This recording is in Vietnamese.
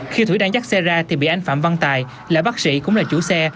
khi thủy đang dắt xe ra thì bị anh phạm văn tài là bác sĩ cũng là chủ xe